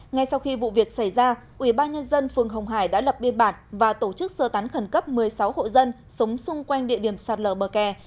ngay sau khi vụ việc xảy ra ubnd phường hồng hải đã lập biên bản và tổ chức sơ tán khẩn cấp một mươi sáu hộ dân sống xung quanh địa điểm sạt lở bờ kè